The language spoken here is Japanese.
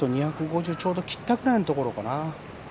ちょうど切ったぐらいのところかな。